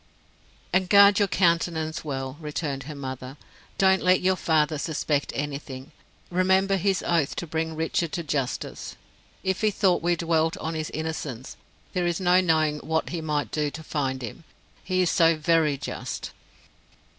"And guard your countenance well," returned her mother. "Don't let your father suspect anything. Remember his oath to bring Richard to justice. If he thought we dwelt on his innocence, there is no knowing what he might do to find him, he is so very just."